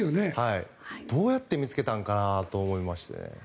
どうやって見つけたんかなと思いましたね。